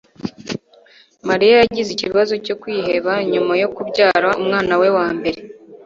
Mariya yagize ikibazo cyo kwiheba nyuma yo kubyara umwana we wa mbere